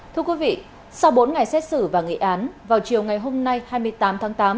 thưa quý vị sau bốn ngày xét xử và nghị án vào chiều ngày hôm nay hai mươi tám tháng tám